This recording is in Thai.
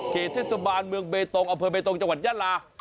เหตุเทศบาลเมืองเบตงอำเภอเบตงจังหวัดยาลา